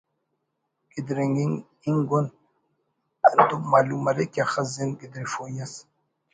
گدرینگ انگ اُن ہندن معلوم مریک کہ اخس زند گدریفوئی ئس